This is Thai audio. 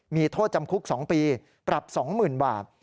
มีโทษจำคุก๒ปีปรับ๒๐๐๐บาท